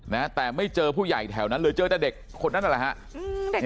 นะแต่ไม่เจอผู้ใหญ่แถวนั้นเลยเจอแต่เด็กคนนั้นนั่นแหละฮะอืมเด็ก